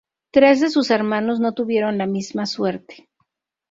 Tres de sus hermanos no tuvieron la misma suerte.